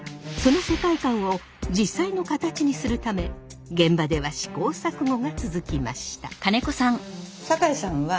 その世界観を実際の形にするため現場では試行錯誤が続きました。